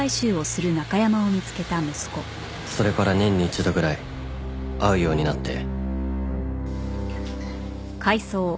それから年に１度ぐらい会うようになって。